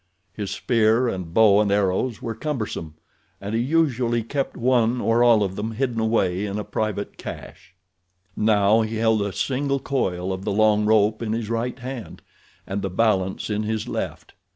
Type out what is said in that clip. His spear and bow and arrows were cumbersome and he usually kept one or all of them hidden away in a private cache. Now he held a single coil of the long rope in his right hand, and the balance in his left.